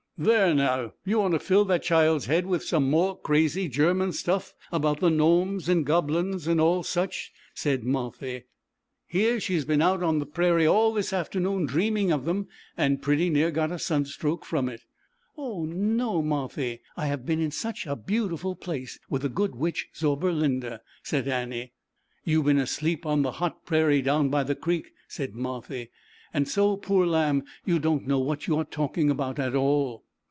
" There now! You want to fill that child's head with some more crazy Ger man stuff about the Gnomes and Gob blins, and all such," said Marthy. F^^BBkA 254 ZAUBERLINDA, THE WISE WITCH. "Here she has been out on the prairie all this afternoon dreaming of them and pretty near got a sunstroke from it." "Oh, no, Marthy, I have been in such a beautiful place, with the Good Witch Zauberlinda," said Annie. "You've been asleep on the hot prairie, down by the creek, "said Marthy, "and so, poor lamb, you don't know what you are talking about at all."